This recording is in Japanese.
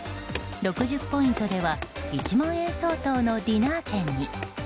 ６０ポイントでは１万円相当のディナー券に。